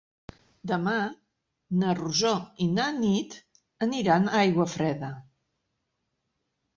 Demà na Rosó i na Nit aniran a Aiguafreda.